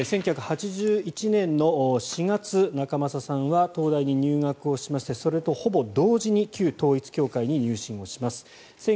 １９８１年の４月仲正さんは東大に入学をしましてそれとほぼ同時に旧統一教会に入信をします。